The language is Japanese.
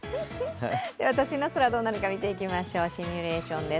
都心の空、どうなるか見ていきましょう、シミュレーションです。